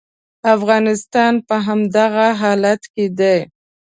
افغانستان په همدغه حالت کې دی.